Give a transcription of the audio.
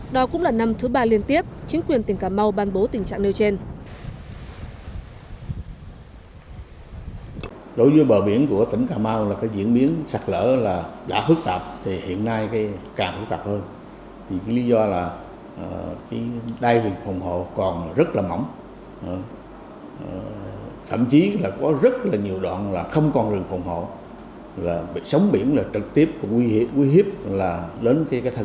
đó cũng là năm thứ ba liên tiếp chính quyền tỉnh cà mau ban bố tình trạng nêu trên